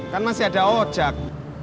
kan masih ada ojak